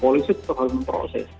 polisi tetap harus memproses